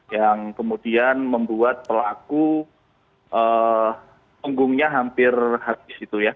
yang kemudian membuat pelaku punggungnya hampir habis itu ya